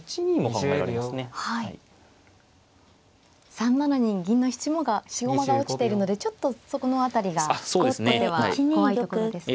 ３七に銀の質駒が落ちているのでちょっとそこの辺りが後手は怖いところですか。